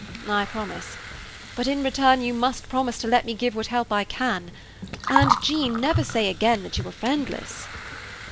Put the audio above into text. "I promise; but in return you must promise to let me give what help I can; and, Jean, never say again that you are friendless."